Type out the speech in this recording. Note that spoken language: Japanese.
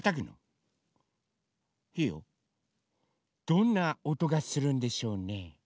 どんなおとがするんでしょうね？